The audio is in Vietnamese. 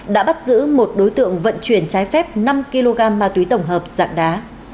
đã bắt giữ một đối tượng vận chuyển trái phép năm kg ma túy tổng hợp dạng đá